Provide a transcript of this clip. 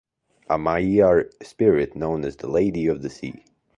A Maiar spirit known as "The Lady of the Sea".